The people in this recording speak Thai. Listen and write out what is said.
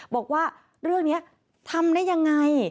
บอกว่าเรื่องนี้ทำได้ยังไง